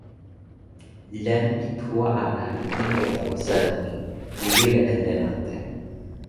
len pi puwa ala li ike tawa selo mi. mi wile e len ante.